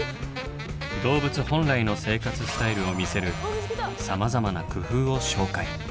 動物本来の生活スタイルを見せるさまざまな工夫を紹介。